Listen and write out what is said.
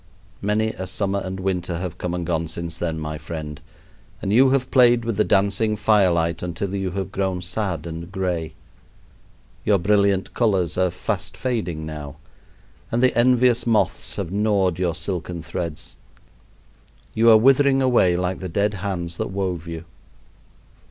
Many a summer and winter have come and gone since then, my friend, and you have played with the dancing firelight until you have grown sad and gray. Your brilliant colors are fast fading now, and the envious moths have gnawed your silken threads. You are withering away like the dead hands that wove you.